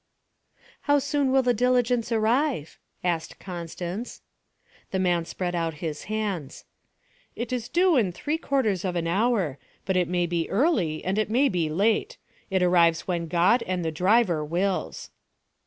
'How soon will the diligence arrive?' asked Constance. The man spread out his hands. 'It is due in three quarters of an hour, but it may be early and it may be late. It arrives when God and the driver wills.'